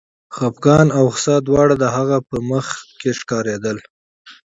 خپګان او غوسه دواړه د هغه په مخ کې ښکارېدل